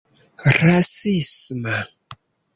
rasisma